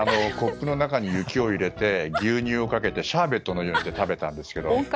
コップの中に雪を入れて牛乳をかけてシャーベットのように食べたんですけど。